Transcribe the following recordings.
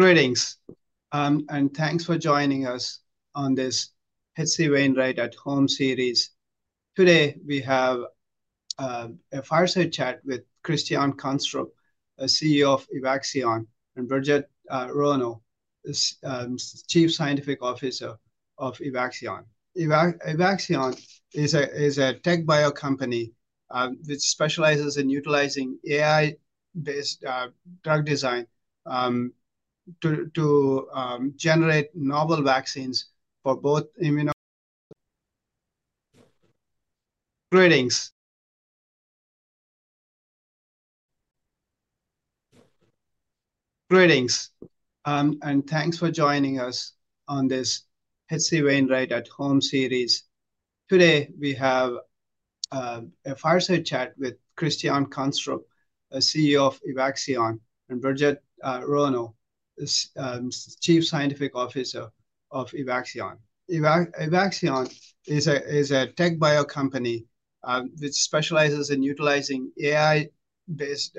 Greetings, and thanks for joining us on this H.C. Wainwright at Home Series. Today we have a fireside chat with Christian Kanstrup, CEO of Evaxion, and Birgitte Rønø, Chief Scientific Officer of Evaxion. Evaxion is a TechBio company which specializes in utilizing AI-based drug design to generate novel vaccines for both immune. Greetings, and thanks for joining us on this H.C. Wainwright at Home Series. Today we have a fireside chat with Christian Kanstrup, CEO of Evaxion, and Birgitte Rønø, Chief Scientific Officer of Evaxion. Evaxion is a TechBio company which specializes in utilizing AI-based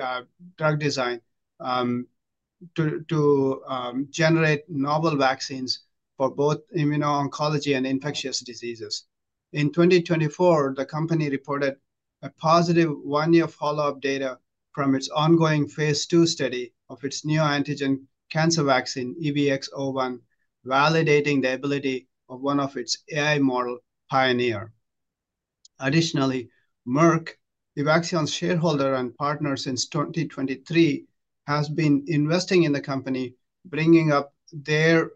drug design to generate novel vaccines for both immuno-oncology and infectious diseases. In 2024, the company reported a positive one-year follow-up data from its ongoing Phase 2 study of its neoantigen cancer vaccine, EVX-01, validating the ability of one of its AI models, Pioneer. Additionally, Merck, Evaxion's shareholder and partner since 2023, has been investing in the company, bringing up their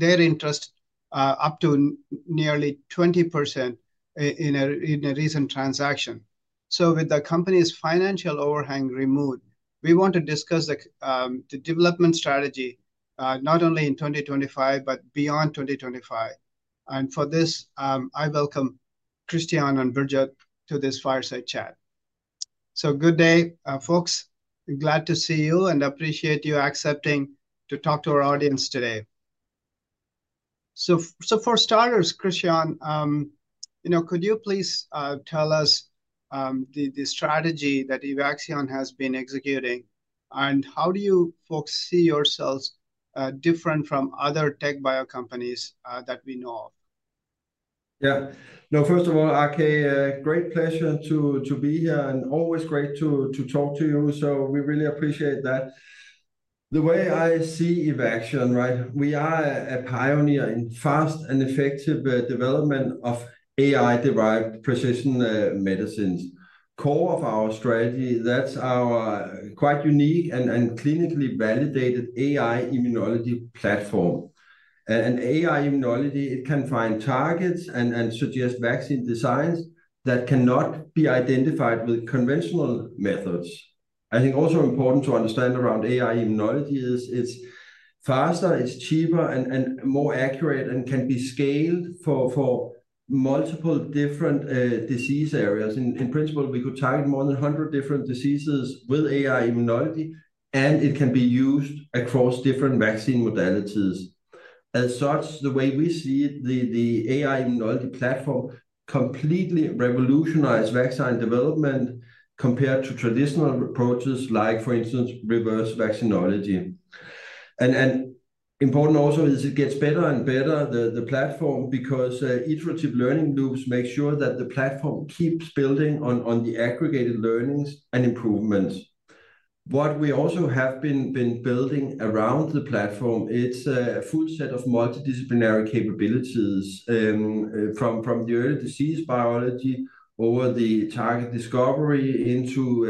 interest up to nearly 20% in a recent transaction. With the company's financial overhang removed, we want to discuss the development strategy not only in 2025, but beyond 2025. For this, I welcome Christian and Birgitte to this fireside chat. Good day, folks. Glad to see you and appreciate you accepting to talk to our audience today. For starters, Christian, could you please tell us the strategy that Evaxion has been executing, and how do you folks see yourselves different from other TechBio companies that we know of? Yeah. No, first of all, RK, great pleasure to be here and always great to talk to you. We really appreciate that. The way I see Evaxion, right, we are a pioneer in fast and effective development of AI-derived precision medicines. Core of our strategy, that's our quite unique and clinically validated AI-Immunology platform. And AI-Immunology, it can find targets and suggest vaccine designs that cannot be identified with conventional methods. I think also important to understand around AI-Immunology is it's faster, it's cheaper, and more accurate, and can be scaled for multiple different disease areas. In principle, we could target more than 100 different diseases with AI-Immunology, and it can be used across different vaccine modalities. As such, the way we see it, the AI-Immunology platform completely revolutionized vaccine development compared to traditional approaches like, for instance, reverse vaccinology. Important also is it gets better and better, the platform, because iterative learning loops make sure that the platform keeps building on the aggregated learnings and improvements. What we also have been building around the platform, it's a full set of multidisciplinary capabilities from the early disease biology over the target discovery into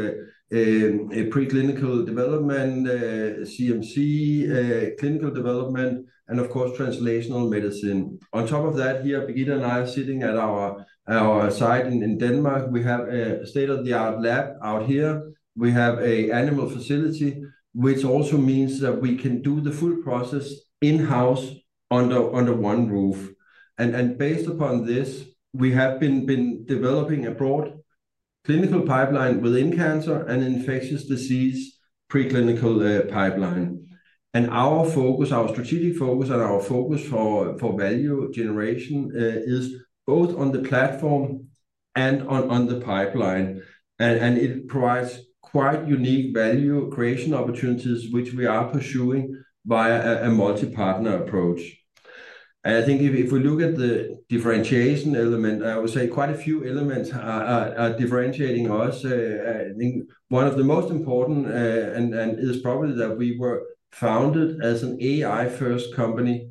preclinical development, CMC clinical development, and of course, translational medicine. On top of that, here, Birgitte and I are sitting at our site in Denmark. We have a state-of-the-art lab out here. We have an animal facility, which also means that we can do the full process in-house under one roof. Based upon this, we have been developing a broad clinical pipeline within cancer and infectious disease preclinical pipeline. Our focus, our strategic focus and our focus for value generation is both on the platform and on the pipeline. It provides quite unique value creation opportunities, which we are pursuing via a multi-partner approach. I think if we look at the differentiation element, I would say quite a few elements are differentiating us. I think one of the most important and is probably that we were founded as an AI-first company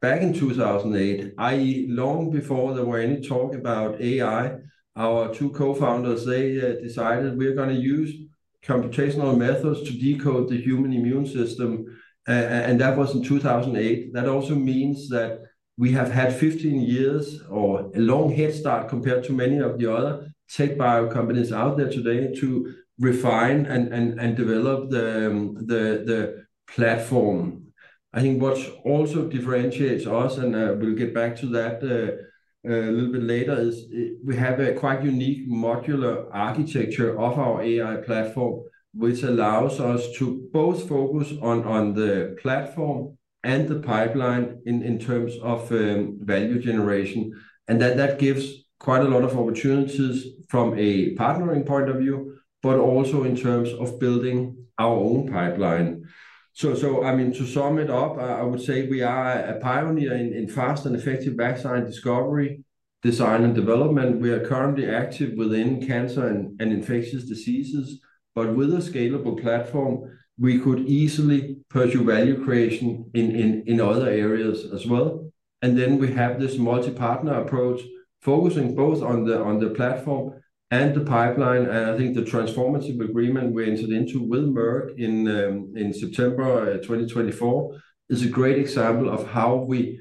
back in 2008, i.e., long before there were any talk about AI. Our two co-founders, they decided we're going to use computational methods to decode the human immune system. That was in 2008. That also means that we have had 15 years or a long head start compared to many of the other TechBio companies out there today to refine and develop the platform. I think what also differentiates us, and we'll get back to that a little bit later, is we have a quite unique modular architecture of our AI platform, which allows us to both focus on the platform and the pipeline in terms of value generation. That gives quite a lot of opportunities from a partnering point of view, but also in terms of building our own pipeline. I mean, to sum it up, I would say we are a pioneer in fast and effective vaccine discovery, design, and development. We are currently active within cancer and infectious diseases, but with a scalable platform, we could easily pursue value creation in other areas as well. We have this multi-partner approach focusing both on the platform and the pipeline. I think the transformative agreement we entered into with Merck in September 2024 is a great example of how we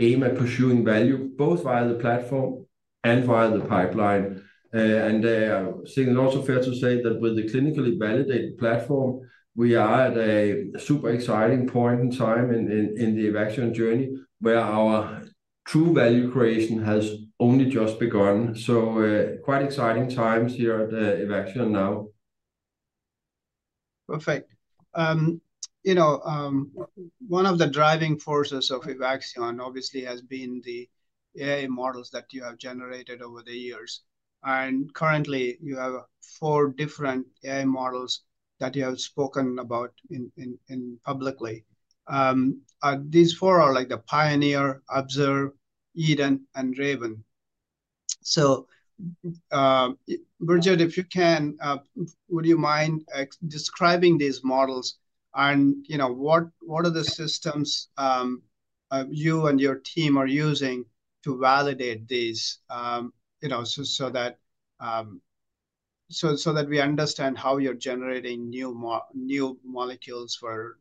aim at pursuing value both via the platform and via the pipeline. I think it is also fair to say that with the clinically validated platform, we are at a super exciting point in time in the Evaxion journey where our true value creation has only just begun. Quite exciting times here at Evaxion now. Perfect. You know, one of the driving forces of Evaxion obviously has been the AI models that you have generated over the years. Currently, you have four different AI models that you have spoken about publicly. These four are like the Pioneer, ObsERV, Eden, and Raven. Birgitte, if you can, would you mind describing these models and what are the systems you and your team are using to validate these so that we understand how you're generating new molecules for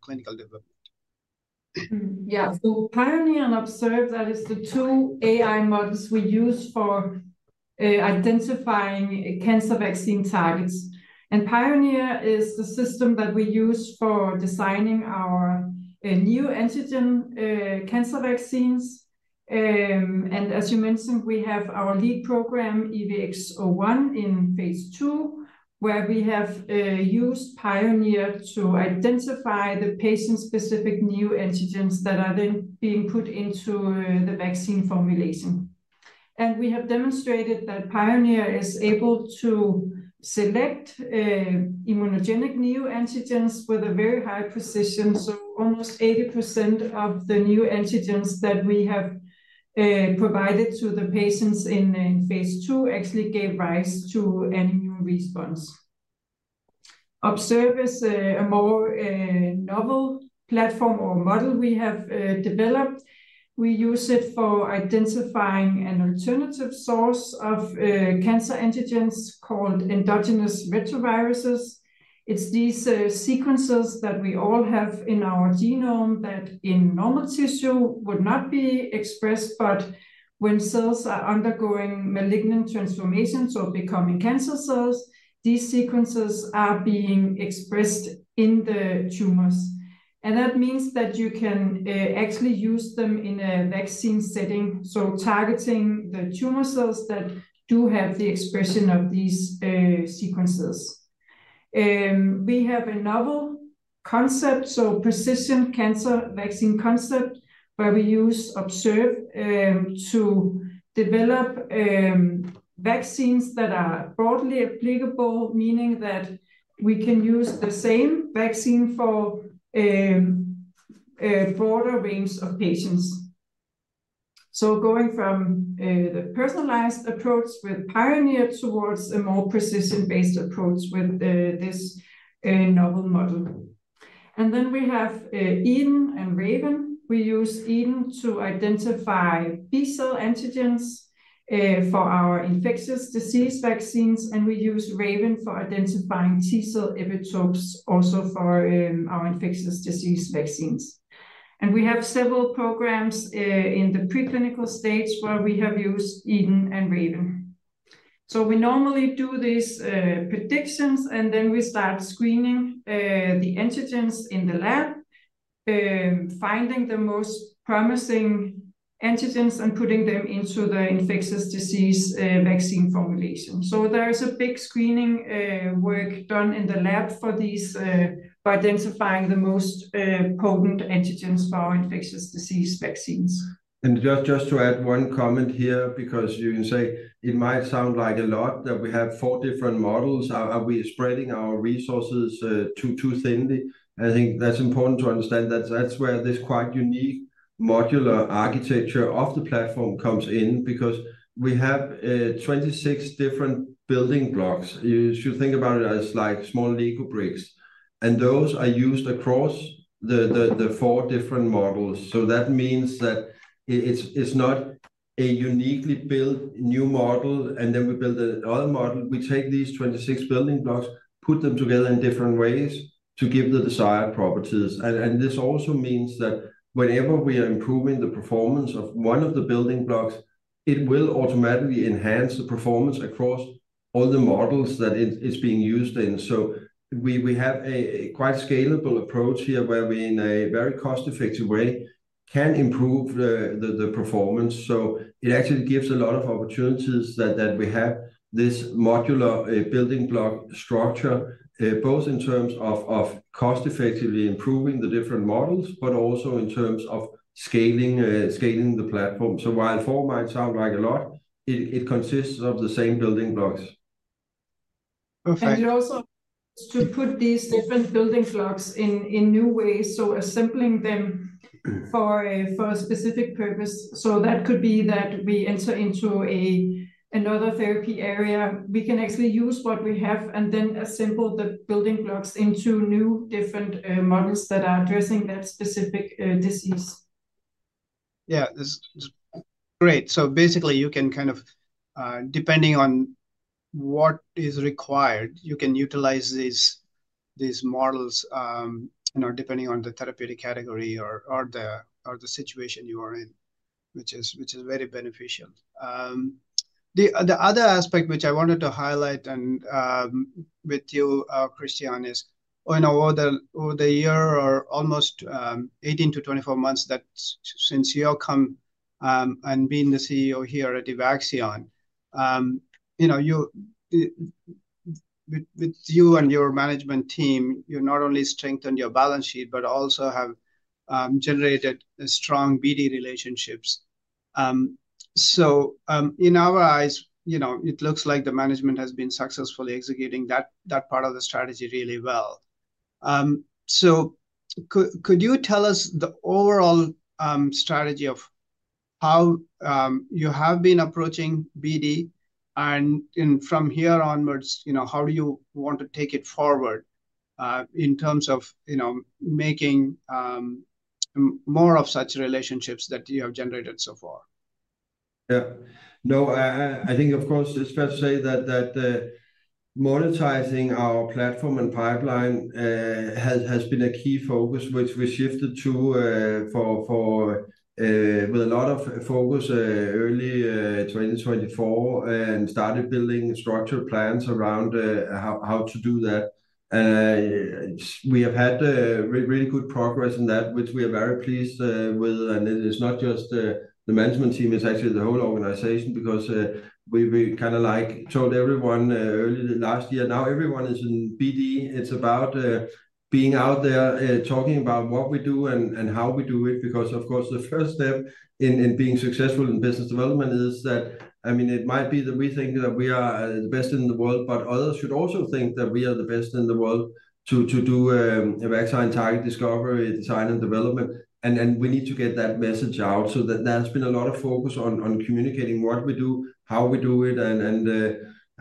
clinical development? Yeah. Pioneer and ObsERV, that is the two AI models we use for identifying cancer vaccine targets. Pioneer is the system that we use for designing our neoantigen cancer vaccines. As you mentioned, we have our lead program, EVX-01, in Phase 2, where we have used Pioneer to identify the patient-specific neoantigens that are then being put into the vaccine formulation. We have demonstrated that Pioneer is able to select immunogenic neoantigens with a very high precision. Almost 80% of the neoantigens that we have provided to the patients in Phase 2 actually gave rise to an immune response. ObsERV is a more novel platform or model we have developed. We use it for identifying an alternative source of cancer antigens called endogenous retroviruses. It's these sequences that we all have in our genome that in normal tissue would not be expressed, but when cells are undergoing malignant transformations or becoming cancer cells, these sequences are being expressed in the tumors. That means that you can actually use them in a vaccine setting, targeting the tumor cells that do have the expression of these sequences. We have a novel concept, a precision cancer vaccine concept, where we use ObsERV to develop vaccines that are broadly applicable, meaning that we can use the same vaccine for a broader range of patients. Going from the personalized approach with Pioneer towards a more precision-based approach with this novel model. We have Eden and Raven. We use Eden to identify B cell antigens for our infectious disease vaccines, and we use Raven for identifying T cell epitopes also for our infectious disease vaccines. We have several programs in the preclinical stage where we have used Eden and Raven. We normally do these predictions, and then we start screening the antigens in the lab, finding the most promising antigens and putting them into the infectious disease vaccine formulation. There is a big screening work done in the lab for these by identifying the most potent antigens for our infectious disease vaccines. Just to add one comment here, because you can say it might sound like a lot that we have four different models. Are we spreading our resources too thinly? I think that's important to understand that that's where this quite unique modular architecture of the platform comes in, because we have 26 different building blocks. You should think about it as like small Lego bricks, and those are used across the four different models. That means that it's not a uniquely built new model, and then we build another model. We take these 26 building blocks, put them together in different ways to give the desired properties. This also means that whenever we are improving the performance of one of the building blocks, it will automatically enhance the performance across all the models that it's being used in. We have a quite scalable approach here where we in a very cost-effective way can improve the performance. It actually gives a lot of opportunities that we have this modular building block structure, both in terms of cost-effectively improving the different models, but also in terms of scaling the platform. While four might sound like a lot, it consists of the same building blocks. Also, to put these different building blocks in new ways, assembling them for a specific purpose. That could be that we enter into another therapy area. We can actually use what we have and then assemble the building blocks into new different models that are addressing that specific disease. Yeah, great. Basically, you can kind of, depending on what is required, you can utilize these models depending on the therapeutic category or the situation you are in, which is very beneficial. The other aspect which I wanted to highlight with you, Christian, is over the year or almost 18 to 24 months since your come and being the CEO here at Evaxion, with you and your management team, you not only strengthened your balance sheet, but also have generated strong BD relationships. In our eyes, it looks like the management has been successfully executing that part of the strategy really well. Could you tell us the overall strategy of how you have been approaching BD? From here onwards, how do you want to take it forward in terms of making more of such relationships that you have generated so far? Yeah. No, I think, of course, it's fair to say that monetizing our platform and pipeline has been a key focus, which we shifted to with a lot of focus early 2024 and started building structured plans around how to do that. We have had really good progress in that, which we are very pleased with. It is not just the management team, it's actually the whole organization, because we kind of like told everyone early last year, now everyone is in BD. It's about being out there talking about what we do and how we do it, because, of course, the first step in being successful in business development is that, I mean, it might be that we think that we are the best in the world, but others should also think that we are the best in the world to do Evaxion target discovery, design, and development. We need to get that message out. There has been a lot of focus on communicating what we do, how we do it.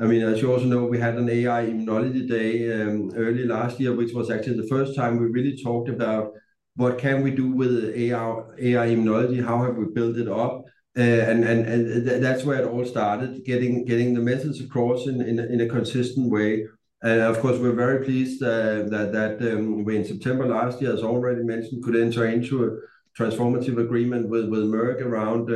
I mean, as you also know, we had an AI-Immunology day early last year, which was actually the first time we really talked about what can we do with AI-Immunology, how have we built it up. That is where it all started, getting the message across in a consistent way. Of course, we are very pleased that we, in September last year, as already mentioned, could enter into a transformative agreement with Merck around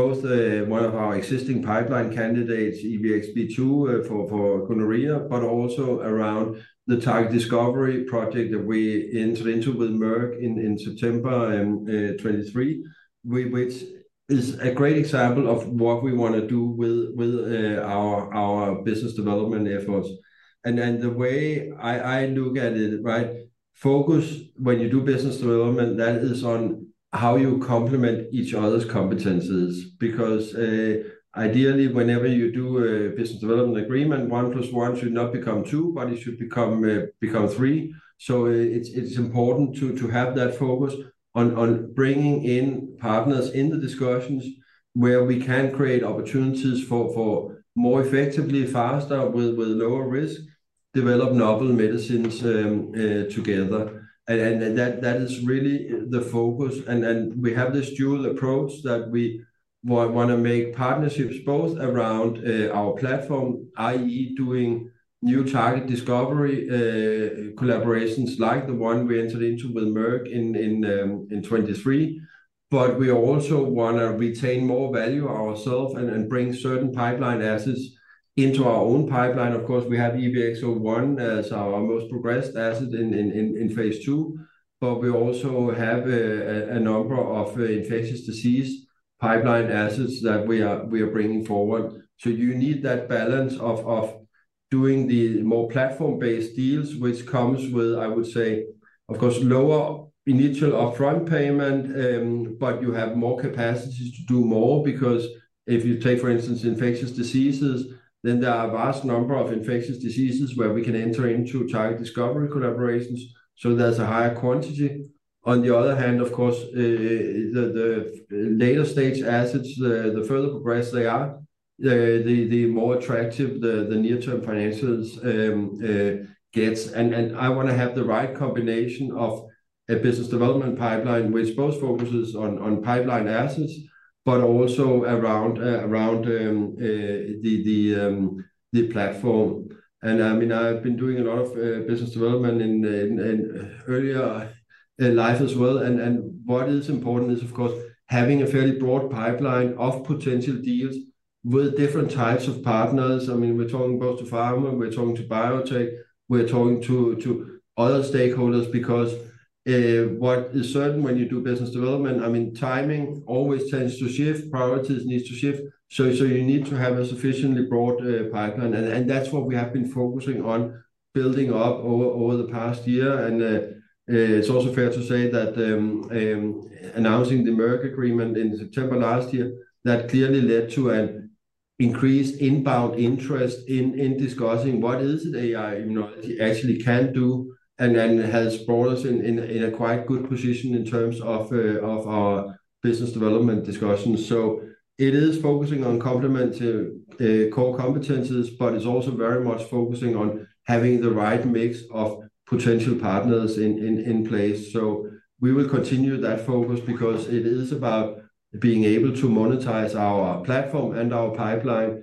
both one of our existing pipeline candidates, EVX-B2 for gonorrhea, but also around the target discovery project that we entered into with Merck in September 2023, which is a great example of what we want to do with our business development efforts. The way I look at it, right, focus when you do business development, that is on how you complement each other's competencies, because ideally, whenever you do a business development agreement, one plus one should not become two, but it should become three. It is important to have that focus on bringing in partners in the discussions where we can create opportunities for more effectively, faster with lower risk, develop novel medicines together. That is really the focus. We have this dual approach that we want to make partnerships both around our platform, i.e., doing new target discovery collaborations like the one we entered into with Merck in 2023, but we also want to retain more value ourselves and bring certain pipeline assets into our own pipeline. Of course, we have EVX-01 as our most progressed asset in Phase 2, but we also have a number of infectious disease pipeline assets that we are bringing forward. You need that balance of doing the more platform-based deals, which comes with, I would say, of course, lower initial upfront payment, but you have more capacity to do more, because if you take, for instance, infectious diseases, then there are a vast number of infectious diseases where we can enter into target discovery collaborations. There is a higher quantity. On the other hand, of course, the later stage assets, the further progress they are, the more attractive the near-term financials get. I want to have the right combination of a business development pipeline, which both focuses on pipeline assets, but also around the platform. I mean, I've been doing a lot of business development in earlier life as well. What is important is, of course, having a fairly broad pipeline of potential deals with different types of partners. I mean, we're talking both to pharma, we're talking to biotech, we're talking to other stakeholders, because what is certain when you do business development, timing always tends to shift, priorities need to shift. You need to have a sufficiently broad pipeline. That is what we have been focusing on building up over the past year. It is also fair to say that announcing the Merck agreement in September last year clearly led to an increased inbound interest in discussing what is it AI-Immunology actually can do and has brought us in a quite good position in terms of our business development discussions. It is focusing on complement to core competencies, but it's also very much focusing on having the right mix of potential partners in place. We will continue that focus because it is about being able to monetize our platform and our pipeline.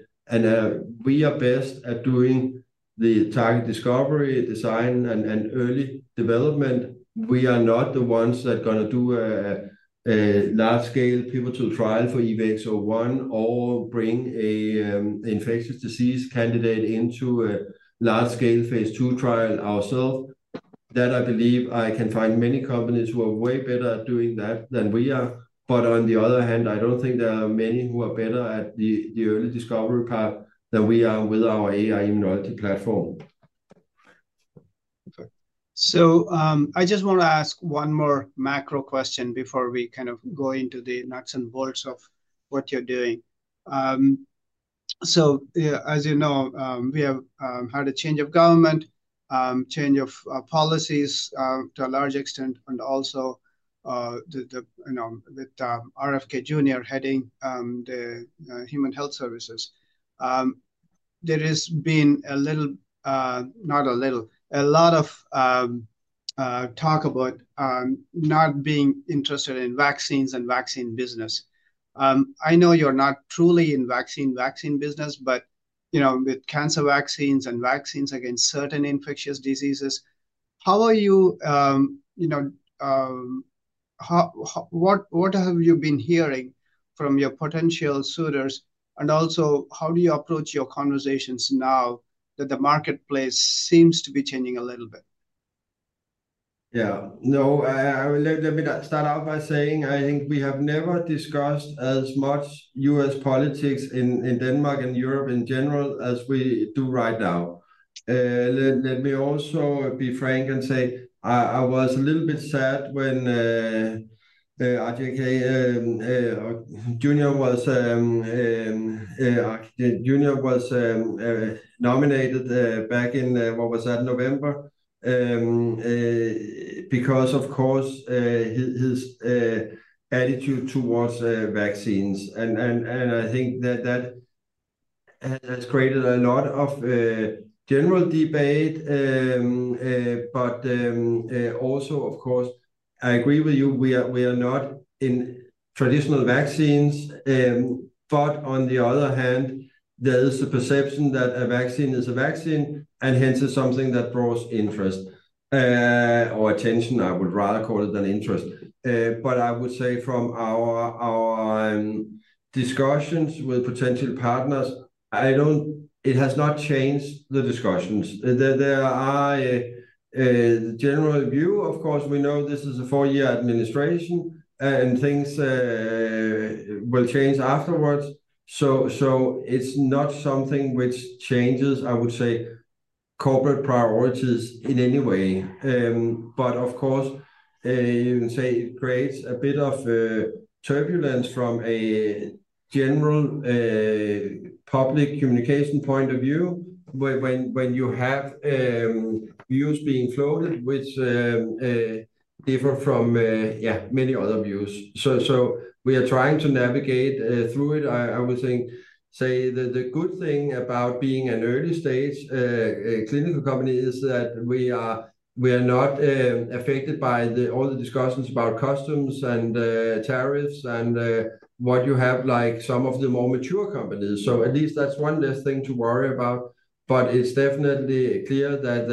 We are best at doing the target discovery, design, and early development. We are not the ones that are going to do a large-scale pivotal trial for EVX-01 or bring an infectious disease candidate into a large-scale Phase 2 trial ourselves. That, I believe, I can find many companies who are way better at doing that than we are. On the other hand, I don't think there are many who are better at the early discovery part than we are with our AI-Immunology platform. I just want to ask one more macro question before we kind of go into the nuts and bolts of what you're doing. As you know, we have had a change of government, change of policies to a large extent, and also with RFK Jr. heading the Health and Human Services. There has been a little, not a little, a lot of talk about not being interested in vaccines and vaccine business. I know you're not truly in vaccine business, but with cancer vaccines and vaccines against certain infectious diseases, how are you? What have you been hearing from your potential suitors? Also, how do you approach your conversations now that the marketplace seems to be changing a little bit? Yeah. No, let me start off by saying I think we have never discussed as much U.S. politics in Denmark and Europe in general as we do right now. Let me also be frank and say I was a little bit sad when RFK Jr. was nominated back in, what was that, November, because, of course, his attitude towards vaccines. I think that has created a lot of general debate, but also, of course, I agree with you, we are not in traditional vaccines. On the other hand, there is the perception that a vaccine is a vaccine, and hence it's something that draws interest or attention, I would rather call it than interest. I would say from our discussions with potential partners, it has not changed the discussions. There are the general view, of course, we know this is a four-year administration, and things will change afterwards. It is not something which changes, I would say, corporate priorities in any way. Of course, you can say it creates a bit of turbulence from a general public communication point of view when you have views being floated, which differ from, yeah, many other views. We are trying to navigate through it. I would say the good thing about being an early stage clinical company is that we are not affected by all the discussions about customs and tariffs and what you have like some of the more mature companies. At least that's one less thing to worry about. It is definitely clear that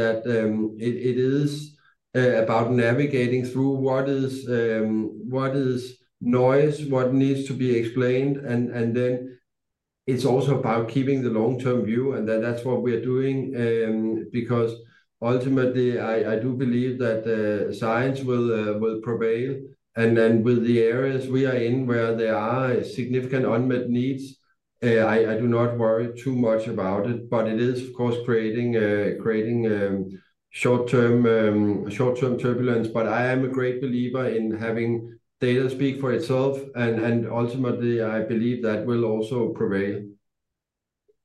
it is about navigating through what is noise, what needs to be explained. It is also about keeping the long-term view, and that is what we are doing, because ultimately, I do believe that science will prevail. With the areas we are in where there are significant unmet needs, I do not worry too much about it. It is, of course, creating short-term turbulence. I am a great believer in having data speak for itself. Ultimately, I believe that will also prevail.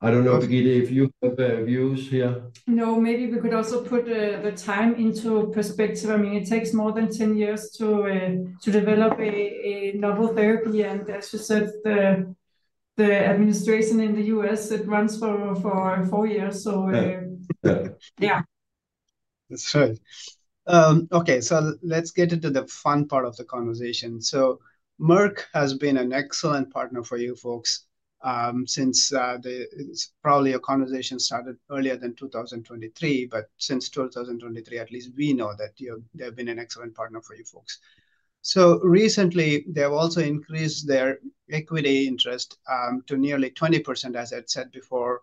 I do not know, Birgitte, if you have views here. No, maybe we could also put the time into perspective. I mean, it takes more than 10 years to develop a novel therapy. As you said, the administration in the U.S., it runs for four years. Yeah. That's right. Okay, let's get into the fun part of the conversation. Merck has been an excellent partner for you folks since probably your conversation started earlier than 2023, but since 2023, at least we know that they have been an excellent partner for you folks. Recently, they have also increased their equity interest to nearly 20%, as I had said before.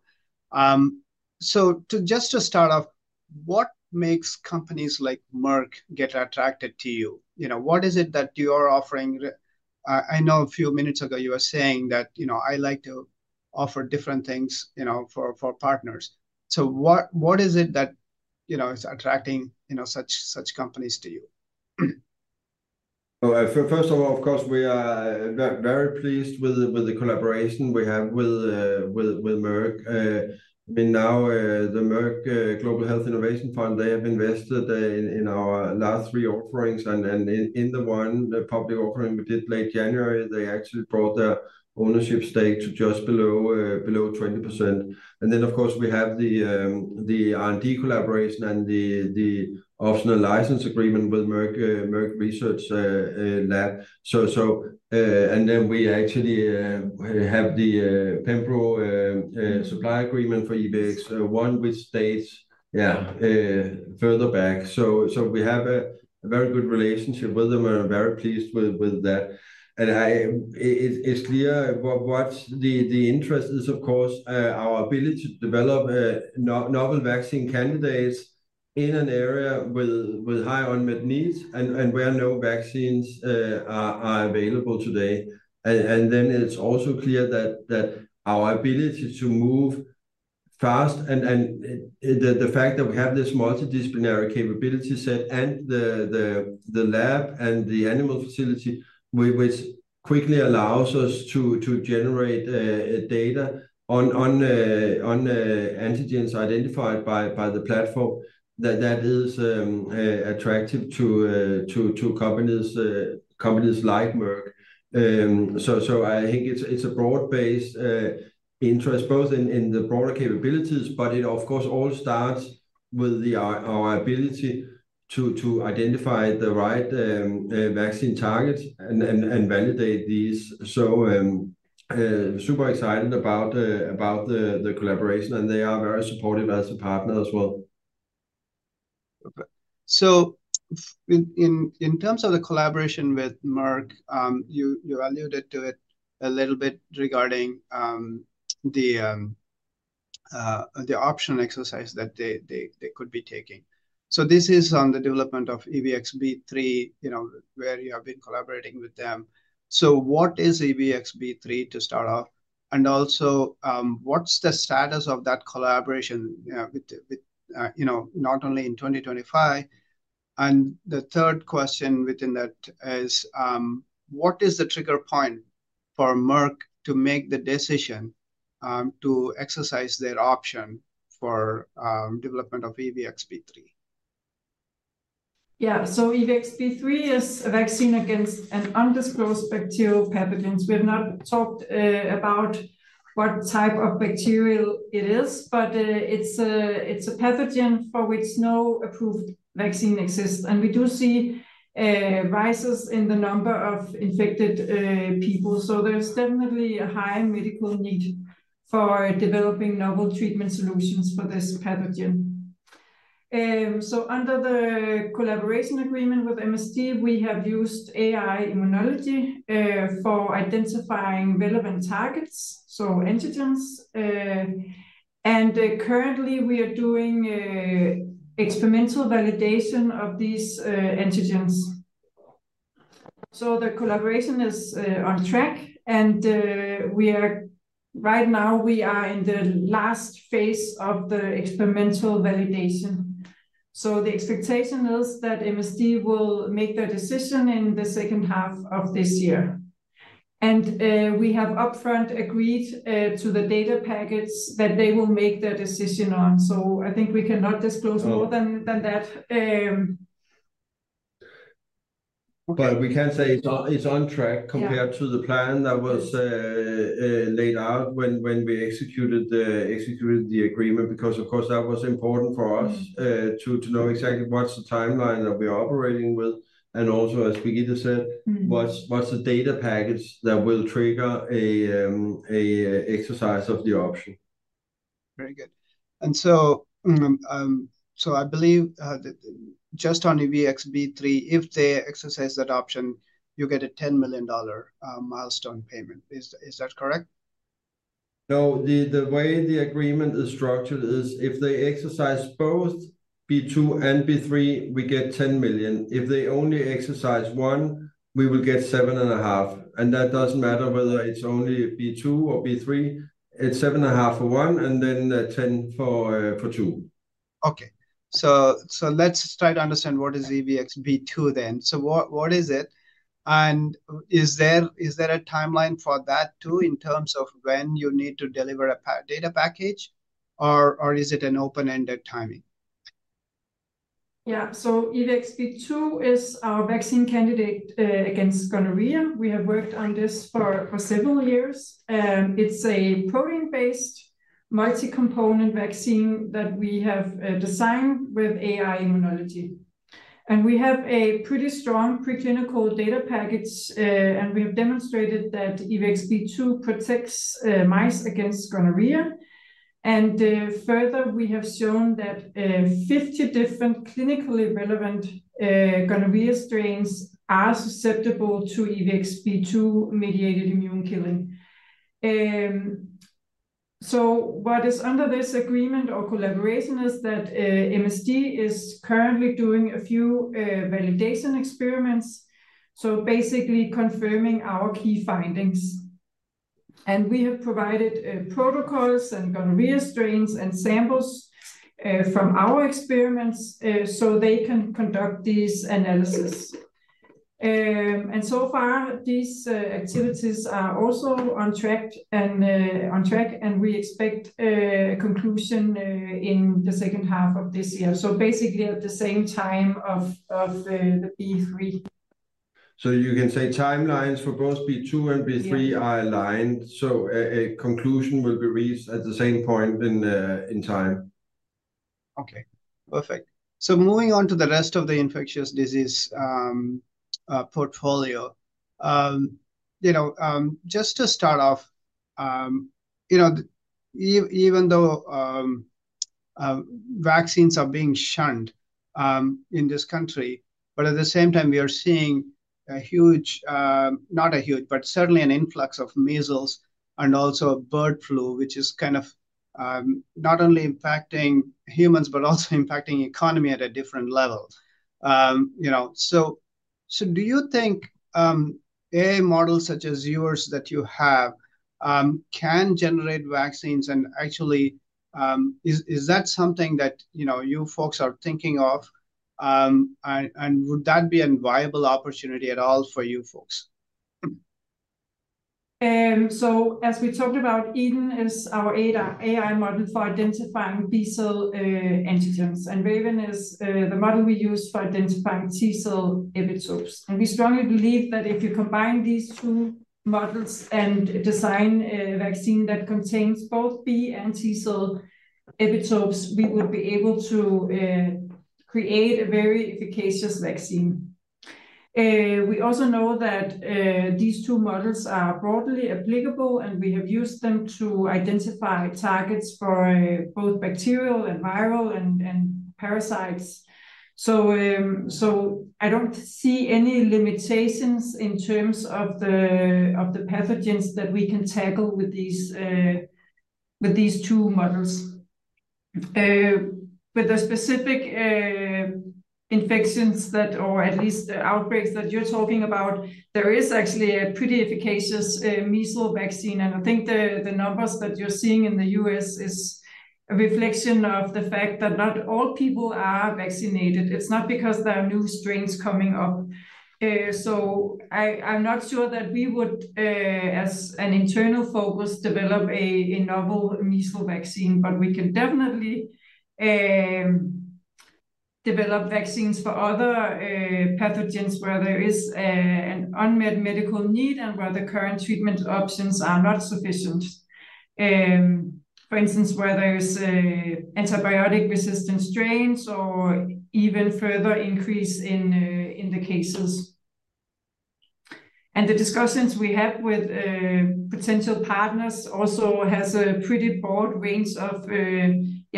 Just to start off, what makes companies like Merck get attracted to you? What is it that you are offering? I know a few minutes ago you were saying that, "I like to offer different things for partners." What is it that is attracting such companies to you? First of all, of course, we are very pleased with the collaboration we have with Merck. I mean, now the Merck Global Health Innovation Fund, they have invested in our last three offerings. In the one public offering we did late January, they actually brought their ownership stake to just below 20%. Of course, we have the R&D collaboration and the optional license agreement with Merck Research Lab. We actually have the pembrolizumab supply agreement for EVX-01, which dates, yeah, further back. We have a very good relationship with them and are very pleased with that. It is clear what the interest is, of course, our ability to develop novel vaccine candidates in an area with high unmet needs and where no vaccines are available today. It is also clear that our ability to move fast and the fact that we have this multidisciplinary capability set and the lab and the animal facility, which quickly allows us to generate data on antigens identified by the platform, that is attractive to companies like Merck. I think it is a broad-based interest, both in the broader capabilities, but it, of course, all starts with our ability to identify the right vaccine targets and validate these. I am super excited about the collaboration, and they are very supportive as a partner as well. In terms of the collaboration with Merck, you alluded to it a little bit regarding the option exercise that they could be taking. This is on the development of EVX-B3, where you have been collaborating with them. What is EVX-B3 to start off? Also, what's the status of that collaboration not only in 2025? The third question within that is, what is the trigger point for Merck to make the decision to exercise their option for development of EVX-B3? Yeah, so EVX-B3 is a vaccine against an undisclosed bacterial pathogen. We have not talked about what type of bacterial it is, but it's a pathogen for which no approved vaccine exists. We do see rises in the number of infected people. There is definitely a high medical need for developing novel treatment solutions for this pathogen. Under the collaboration agreement with MSD, we have used AI immunology for identifying relevant targets, so antigens. Currently, we are doing experimental validation of these antigens. The collaboration is on track. Right now, we are in the last phase of the experimental validation. The expectation is that MSD will make their decision in the second half of this year. We have upfront agreed to the data packets that they will make their decision on. I think we cannot disclose more than that. We can say it's on track compared to the plan that was laid out when we executed the agreement, because, of course, that was important for us to know exactly what's the timeline that we are operating with. Also, as Birgitte Rønø said, what's the data packets that will trigger an exercise of the option? Very good. I believe just on EVX-B3, if they exercise that option, you get a $10 million milestone payment. Is that correct? No, the way the agreement is structured is if they exercise both B2 and B3, we get $10 million. If they only exercise one, we will get $7.5 million. That does not matter whether it is only B2 or B3. It is $7.5 million for one and then $10 million for two. Okay. Let's try to understand what is EVX-B2 then. What is it? Is there a timeline for that too in terms of when you need to deliver a data package, or is it an open-ended timing? Yeah. EVX-B2 is our vaccine candidate against gonorrhea. We have worked on this for several years. It is a protein-based multi-component vaccine that we have designed with AI-Immunology. We have a pretty strong preclinical data package, and we have demonstrated that EVX-B2 protects mice against gonorrhea. Further, we have shown that 50 different clinically relevant gonorrhea strains are susceptible to EVX-B2-mediated immune killing. What is under this agreement or collaboration is that MSD is currently doing a few validation experiments, basically confirming our key findings. We have provided protocols and gonorrhea strains and samples from our experiments so they can conduct these analyses. So far, these activities are also on track, and we expect a conclusion in the second half of this year. Basically at the same time of the B3. You can say timelines for both B2 and B3 are aligned. A conclusion will be reached at the same point in time. Okay, perfect. Moving on to the rest of the infectious disease portfolio. Just to start off, even though vaccines are being shunned in this country, at the same time, we are seeing a huge, not a huge, but certainly an influx of measles and also bird flu, which is kind of not only impacting humans, but also impacting the economy at a different level. Do you think AI models such as yours that you have can generate vaccines? Actually, is that something that you folks are thinking of? Would that be a viable opportunity at all for you folks? As we talked about, Eden is our AI model for identifying B cell antigens. Raven is the model we use for identifying T cell epitopes. We strongly believe that if you combine these two models and design a vaccine that contains both B and T cell epitopes, we would be able to create a very efficacious vaccine. We also know that these two models are broadly applicable, and we have used them to identify targets for both bacterial and viral and parasites. I do not see any limitations in terms of the pathogens that we can tackle with these two models. With the specific infections or at least outbreaks that you are talking about, there is actually a pretty efficacious measles vaccine. I think the numbers that you are seeing in the U.S. is a reflection of the fact that not all people are vaccinated. It's not because there are new strains coming up. I'm not sure that we would, as an internal focus, develop a novel measles vaccine, but we can definitely develop vaccines for other pathogens where there is an unmet medical need and where the current treatment options are not sufficient. For instance, where there are antibiotic-resistant strains or even further increase in the cases. The discussions we have with potential partners also have a pretty broad range of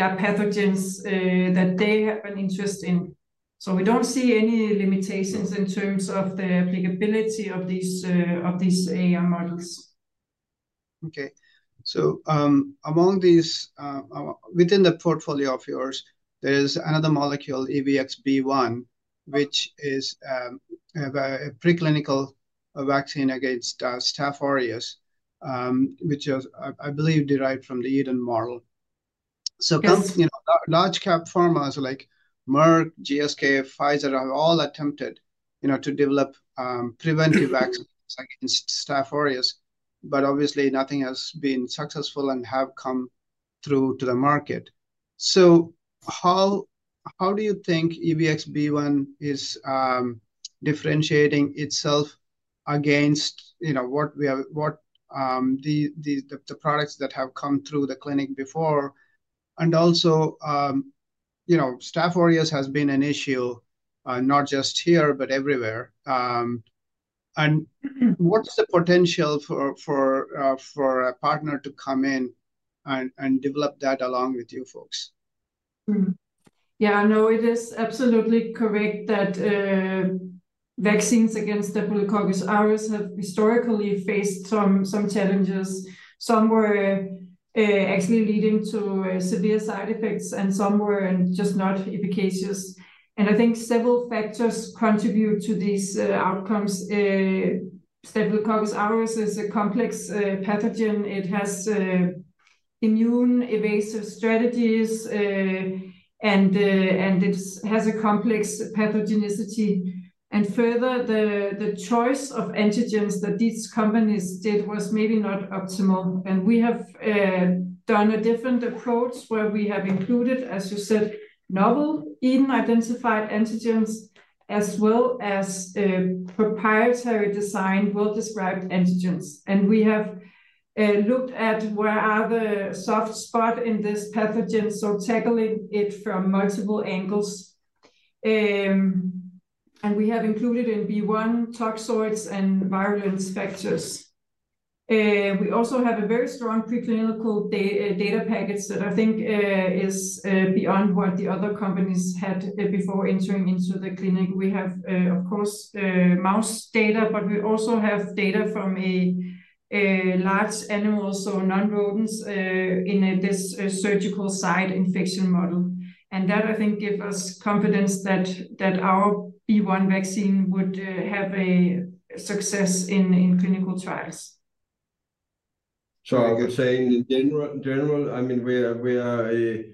pathogens that they have an interest in. We don't see any limitations in terms of the applicability of these AI models. Okay. Among these, within the portfolio of yours, there is another molecule, EVX-B1, which is a preclinical vaccine against Staph aureus, which is, I believe, derived from the Eden model. Large-cap pharmas like Merck, GSK, Pfizer have all attempted to develop preventive vaccines against Staph aureus, but obviously, nothing has been successful and has come through to the market. How do you think EVX-B1 is differentiating itself against the products that have come through the clinic before? Also, Staph aureus has been an issue not just here, but everywhere. What is the potential for a partner to come in and develop that along with you folks? Yeah, no, it is absolutely correct that vaccines against Staphylococcus aureus have historically faced some challenges. Some were actually leading to severe side effects, and some were just not efficacious. I think several factors contribute to these outcomes. Staphylococcus aureus is a complex pathogen. It has immune evasive strategies, and it has a complex pathogenicity. Further, the choice of antigens that these companies did was maybe not optimal. We have done a different approach where we have included, as you said, novel Eden-identified antigens, as well as proprietary design, well-described antigens. We have looked at where are the soft spots in this pathogen, so tackling it from multiple angles. We have included in B1 toxoids and virulence factors. We also have a very strong preclinical data package that I think is beyond what the other companies had before entering into the clinic. We have, of course, mouse data, but we also have data from a large animal, so non-rodents, in this surgical site infection model. That, I think, gives us confidence that our B1 vaccine would have a success in clinical trials. I would say in general, I mean, we are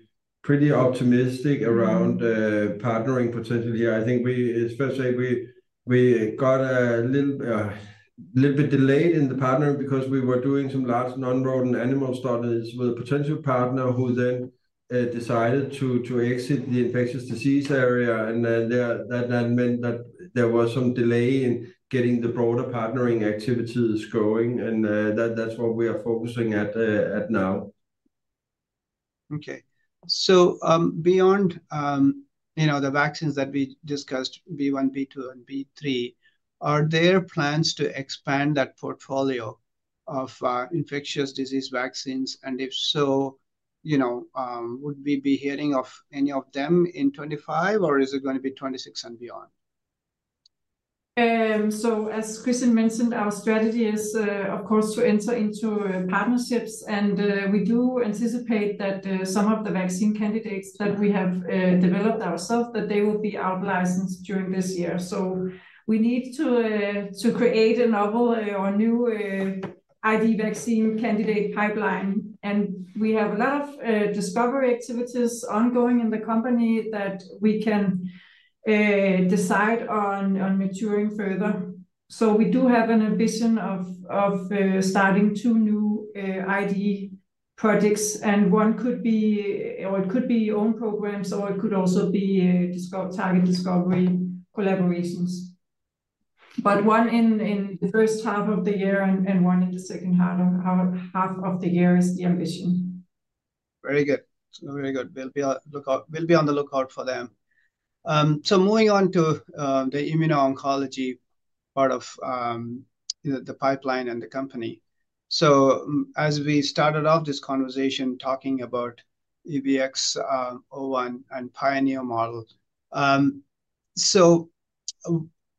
pretty optimistic around partnering potentially. I think, especially, we got a little bit delayed in the partnering because we were doing some large non-rodent animal studies with a potential partner who then decided to exit the infectious disease area. That meant that there was some delay in getting the broader partnering activities going. That's what we are focusing at now. Okay. Beyond the vaccines that we discussed, B1, B2, and B3, are there plans to expand that portfolio of infectious disease vaccines? If so, would we be hearing of any of them in 2025, or is it going to be 2026 and beyond? As Christian mentioned, our strategy is, of course, to enter into partnerships. We do anticipate that some of the vaccine candidates that we have developed ourselves, that they will be outlicensed during this year. We need to create a novel or new ID vaccine candidate pipeline. We have a lot of discovery activities ongoing in the company that we can decide on maturing further. We do have an ambition of starting two new ID projects. One could be, or it could be own programs, or it could also be target discovery collaborations. One in the first half of the year and one in the second half of the year is the ambition. Very good. Very good. We'll be on the lookout for them. Moving on to the immuno-oncology part of the pipeline and the company. As we started off this conversation talking about EVX-01 and Pioneer model,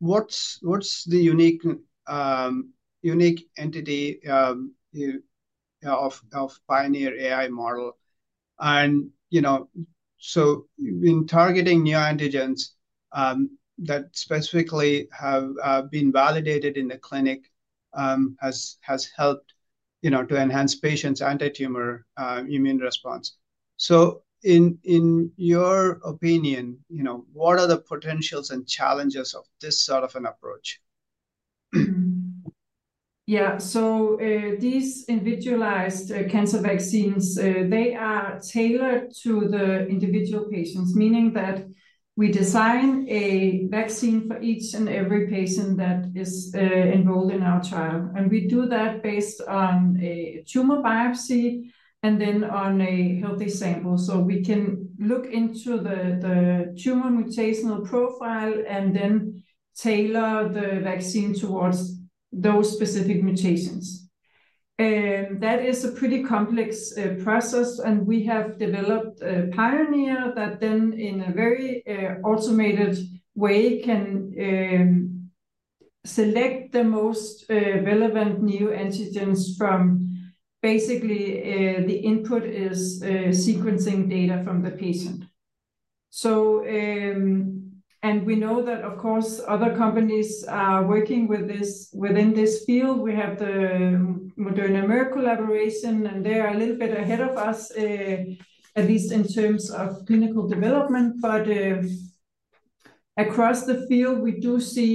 what's the unique entity of Pioneer AI model? In targeting neoantigens that specifically have been validated in the clinic has helped to enhance patients' anti-tumor immune response. In your opinion, what are the potentials and challenges of this sort of an approach? Yeah. These individualized cancer vaccines, they are tailored to the individual patients, meaning that we design a vaccine for each and every patient that is enrolled in our trial. We do that based on a tumor biopsy and then on a healthy sample. We can look into the tumor mutational profile and then tailor the vaccine towards those specific mutations. That is a pretty complex process. We have developed Pioneer that then, in a very automated way, can select the most relevant neoantigens from basically the input is sequencing data from the patient. We know that, of course, other companies are working with this within this field. We have the Moderna-Merck collaboration, and they are a little bit ahead of us, at least in terms of clinical development. Across the field, we do see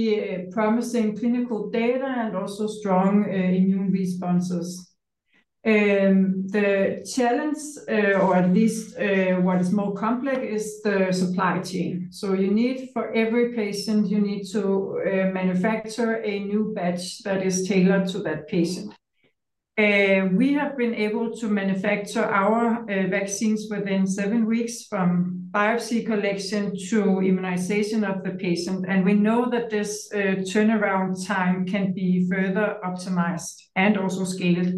promising clinical data and also strong immune responses. The challenge, or at least what is more complex, is the supply chain. You need for every patient, you need to manufacture a new batch that is tailored to that patient. We have been able to manufacture our vaccines within seven weeks from biopsy collection to immunization of the patient. We know that this turnaround time can be further optimized and also scaled,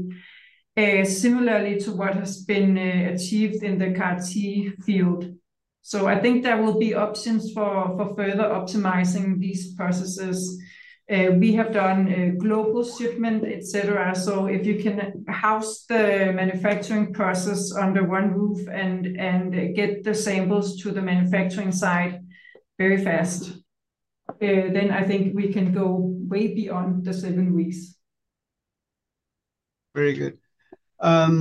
similarly to what has been achieved in the CAR-T field. I think there will be options for further optimizing these processes. We have done a global shipment, etc. If you can house the manufacturing process under one roof and get the samples to the manufacturing site very fast, then I think we can go way beyond the seven weeks. Very good. As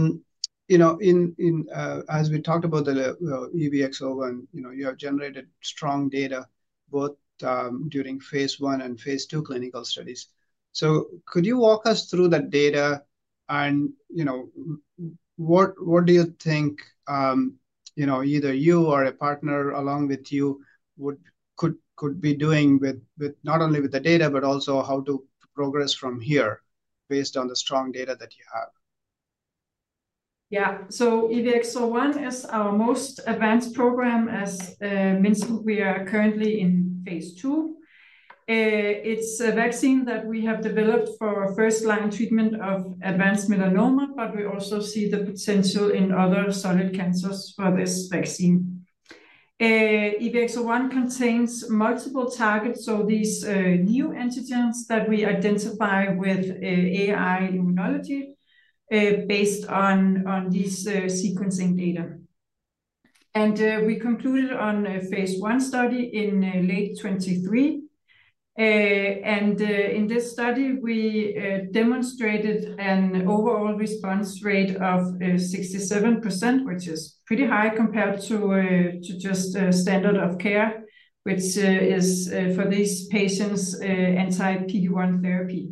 we talked about the EVX-01, you have generated strong data both during Phase 1 and Phase 2 clinical studies. Could you walk us through that data? What do you think either you or a partner along with you could be doing not only with the data, but also how to progress from here based on the strong data that you have? Yeah. EVX-01 is our most advanced program. As mentioned, we are currently in Phase 2. It's a vaccine that we have developed for first-line treatment of advanced melanoma, but we also see the potential in other solid cancers for this vaccine. EVX-01 contains multiple targets. These neoantigens that we identify with AI-Immunology based on these sequencing data. We concluded on a Phase 1 study in late 2023. In this study, we demonstrated an overall response rate of 67%, which is pretty high compared to just standard of care, which is for these patients' anti-PD-1 therapy.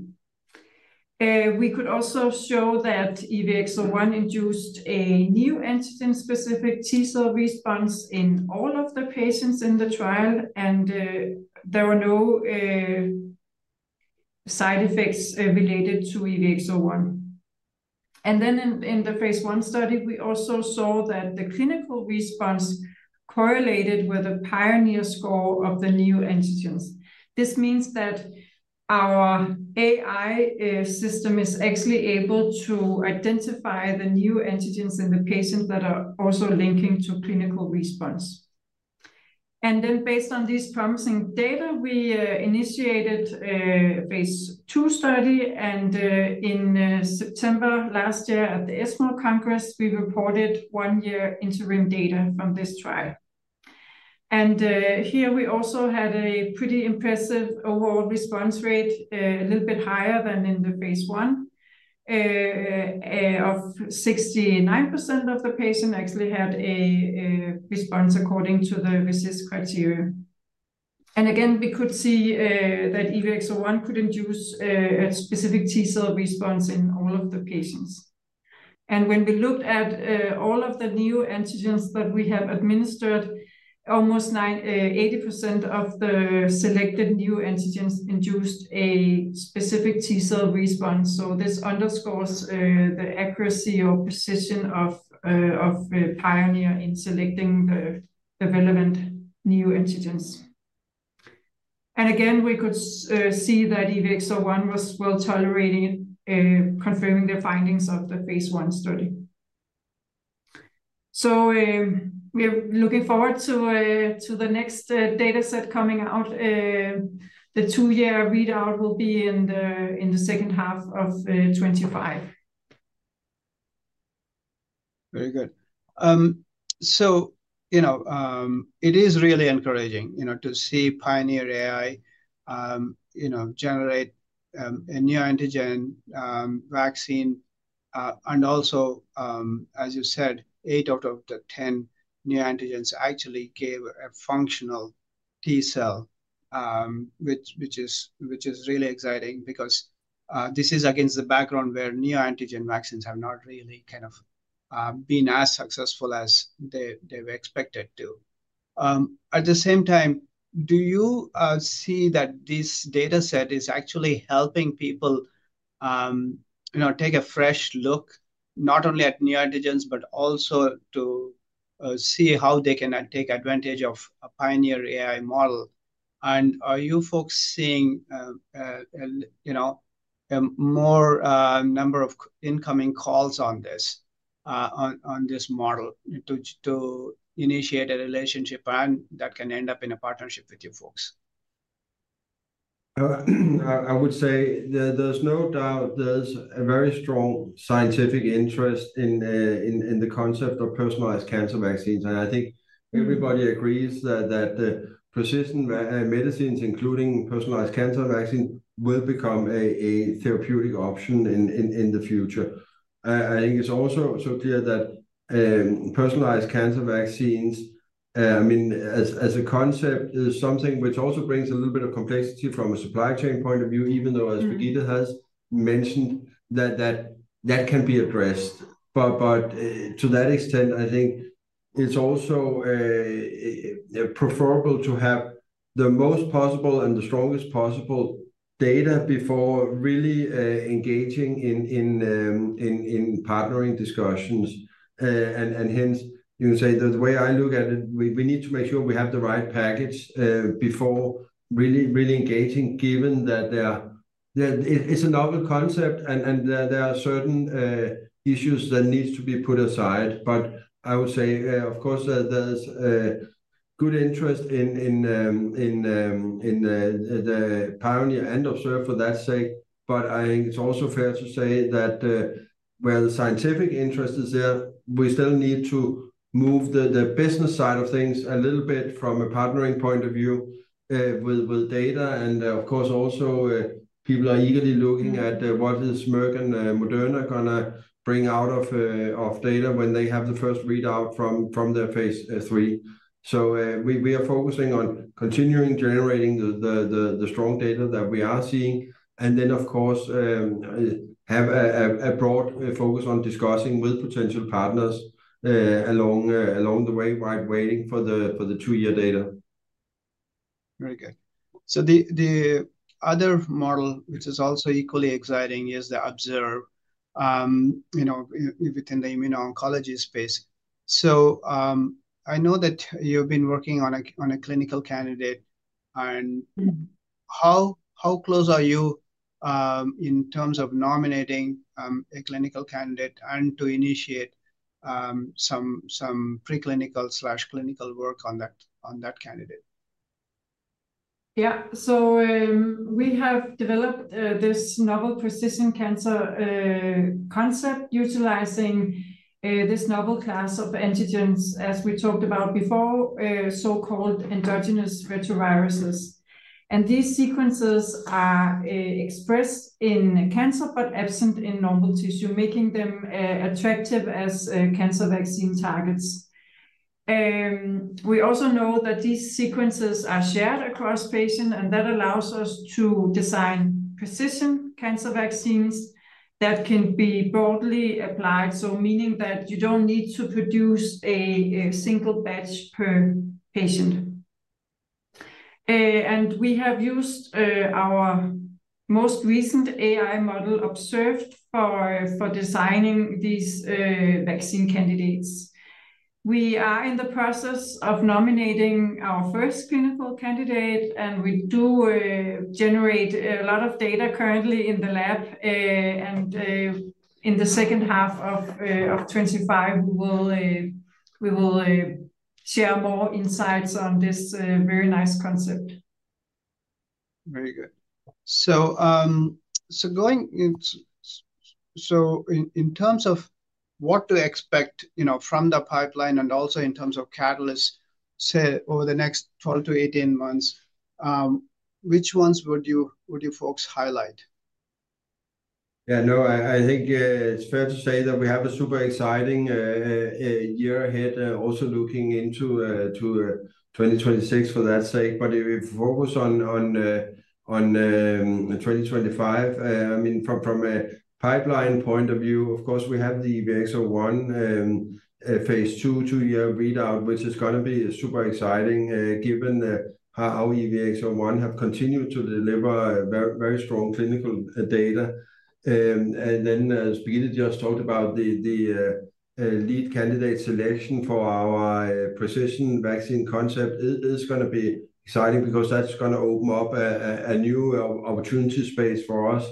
We could also show that EVX-01 induced a neoantigen-specific T cell response in all of the patients in the trial, and there were no side effects related to EVX-01. In the Phase 1 study, we also saw that the clinical response correlated with the Pioneer score of the neoantigens. This means that our AI system is actually able to identify the neoantigens in the patients that are also linking to clinical response. Based on these promising data, we initiated a Phase 2 study. In September last year at the ESMO Congress, we reported one-year interim data from this trial. Here, we also had a pretty impressive overall response rate, a little bit higher than in the Phase 1, of 69% of the patients actually had a response according to the RECIST criteria. Again, we could see that EVX-01 could induce a specific T cell response in all of the patients. When we looked at all of the neoantigens that we have administered, almost 80% of the selected neoantigens induced a specific T cell response. This underscores the accuracy or precision of Pioneer in selecting the relevant neoantigens. We could see that EVX-01 was well tolerated, confirming the findings of the Phase 1 study. We are looking forward to the next dataset coming out. The two-year readout will be in the second half of 2025. Very good. It is really encouraging to see Pioneer AI generate a neoantigen vaccine. Also, as you said, eight out of the 10 neoantigens actually gave a functional T cell, which is really exciting because this is against the background where neoantigen vaccines have not really kind of been as successful as they were expected to. At the same time, do you see that this dataset is actually helping people take a fresh look not only at neoantigens, but also to see how they can take advantage of a Pioneer AI model? Are you folks seeing a more number of incoming calls on this model to initiate a relationship that can end up in a partnership with you folks? I would say there's no doubt there's a very strong scientific interest in the concept of personalized cancer vaccines. I think everybody agrees that the precision medicines, including personalized cancer vaccines, will become a therapeutic option in the future. I think it's also so clear that personalized cancer vaccines, I mean, as a concept, is something which also brings a little bit of complexity from a supply chain point of view, even though, as Birgitte has mentioned, that can be addressed. To that extent, I think it's also preferable to have the most possible and the strongest possible data before really engaging in partnering discussions. Hence, you can say that the way I look at it, we need to make sure we have the right package before really engaging, given that it's a novel concept and there are certain issues that need to be put aside. I would say, of course, there's good interest in the Pioneer and ObsERV for that sake. I think it's also fair to say that while the scientific interest is there, we still need to move the business side of things a little bit from a partnering point of view with data. Of course, also, people are eagerly looking at what is Merck and Moderna going to bring out of data when they have the first readout from their Phase 3. We are focusing on continuing generating the strong data that we are seeing. Then, of course, have a broad focus on discussing with potential partners along the way while waiting for the two-year data. Very good. The other model, which is also equally exciting, is the ObsERV within the immuno-oncology space. I know that you've been working on a clinical candidate. How close are you in terms of nominating a clinical candidate and to initiate some preclinical/clinical work on that candidate? Yeah. We have developed this novel precision cancer concept utilizing this novel class of antigens, as we talked about before, so-called endogenous retroviruses. These sequences are expressed in cancer but absent in normal tissue, making them attractive as cancer vaccine targets. We also know that these sequences are shared across patients, and that allows us to design precision cancer vaccines that can be broadly applied, meaning that you don't need to produce a single batch per patient. We have used our most recent AI model ObsERV for designing these vaccine candidates. We are in the process of nominating our first clinical candidate, and we do generate a lot of data currently in the lab. In the second half of 2025, we will share more insights on this very nice concept. Very good. In terms of what to expect from the pipeline and also in terms of catalysts over the next 12 to 18 months, which ones would you folks highlight? Yeah. No, I think it's fair to say that we have a super exciting year ahead, also looking into 2026 for that sake. If we focus on 2025, I mean, from a pipeline point of view, of course, we have the EVX-01 Phase 2 two-year readout, which is going to be super exciting given how EVX-01 have continued to deliver very strong clinical data. Birgitte just talked about the lead candidate selection for our precision vaccine concept. It's going to be exciting because that's going to open up a new opportunity space for us.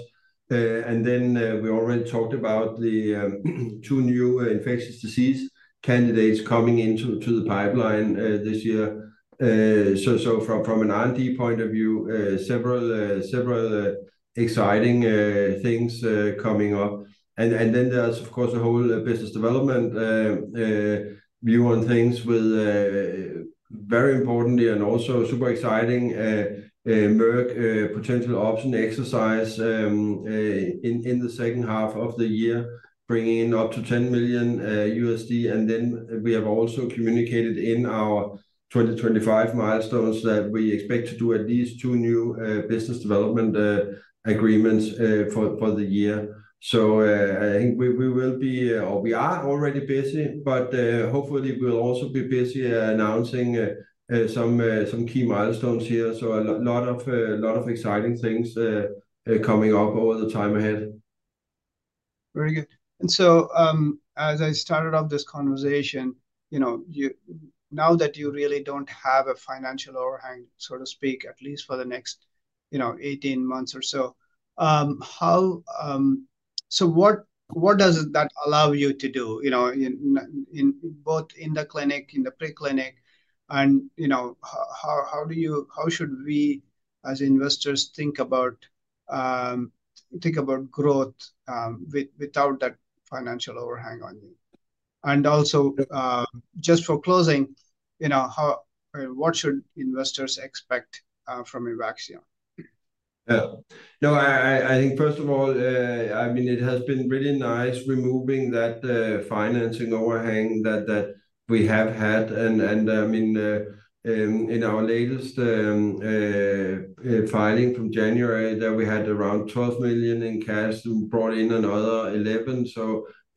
We already talked about the two new infectious disease candidates coming into the pipeline this year. From an R&D point of view, several exciting things coming up. There is, of course, a whole business development view on things with very importantly and also super exciting Merck potential option exercise in the second half of the year, bringing in up to $10 million. We have also communicated in our 2025 milestones that we expect to do at least two new business development agreements for the year. I think we will be, or we are already busy, but hopefully, we will also be busy announcing some key milestones here. A lot of exciting things are coming up over the time ahead. Very good. As I started off this conversation, now that you really do not have a financial overhang, so to speak, at least for the next 18 months or so, what does that allow you to do both in the clinic, in the preclinic? How should we, as investors, think about growth without that financial overhang on you? Also, just for closing, what should investors expect from Evaxion? Yeah. No, I think, first of all, I mean, it has been really nice removing that financing overhang that we have had. I mean, in our latest filing from January, we had around $12 million in cash. We brought in another $11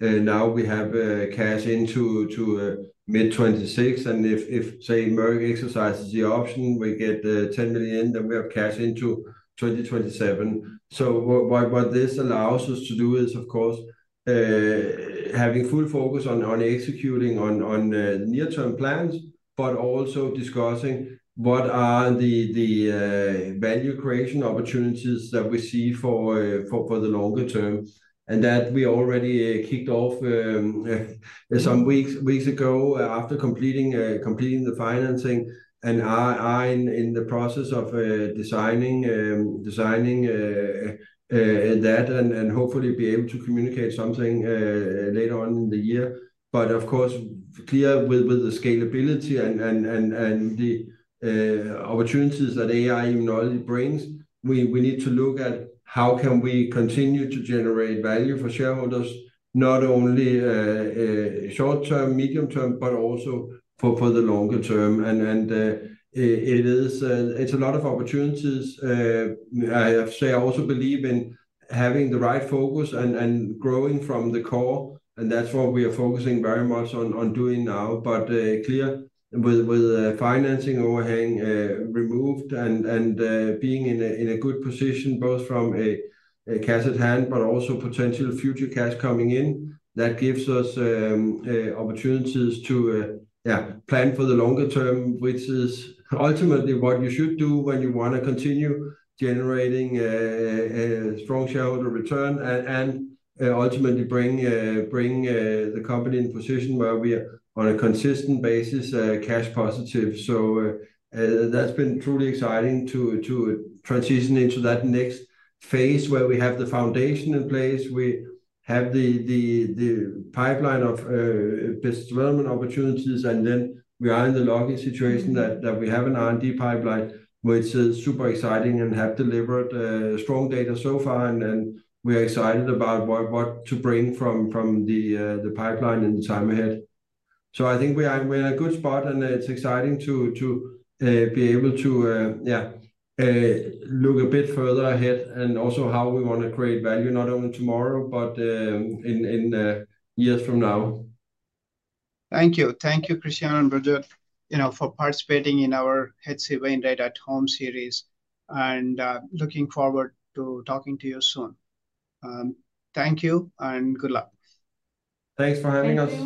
million. Now we have cash into mid 2026. If, say, Merck exercises the option, we get $10 million, then we have cash into 2027. What this allows us to do is, of course, have full focus on executing on near-term plans, but also discussing what are the value creation opportunities that we see for the longer term. We already kicked off some weeks ago after completing the financing. I am in the process of designing that and hopefully will be able to communicate something later on in the year. Of course, clear with the scalability and the opportunities that AI-Immunology brings, we need to look at how can we continue to generate value for shareholders, not only short-term, medium-term, but also for the longer term. It is a lot of opportunities. I also believe in having the right focus and growing from the core. That is what we are focusing very much on doing now. Clear, with financing overhang removed and being in a good position both from a cash at hand, but also potential future cash coming in, that gives us opportunities to plan for the longer term, which is ultimately what you should do when you want to continue generating strong shareholder return and ultimately bring the company in a position where we are on a consistent basis cash positive. That's been truly exciting to transition into that next phase where we have the foundation in place. We have the pipeline of business development opportunities. We are in the lucky situation that we have an R&D pipeline, which is super exciting and have delivered strong data so far. We are excited about what to bring from the pipeline in the time ahead. I think we are in a good spot. It's exciting to be able to, yeah, look a bit further ahead and also how we want to create value not only tomorrow, but in years from now. Thank you. Thank you, Christian and Birgitte, for participating in our H.C. Wainwright at Home Series. Looking forward to talking to you soon. Thank you and good luck. Thanks for having us.